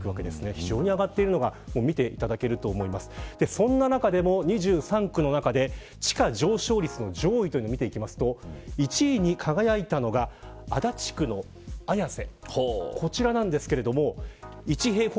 その中でも２３区の中で地価上昇率の上位を見ていくと１位に輝いたのが足立区の綾瀬。